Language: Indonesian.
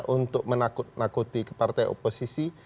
untuk menakuti partai oposisi